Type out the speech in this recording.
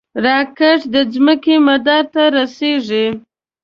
راکټ د ځمکې مدار ته رسېږي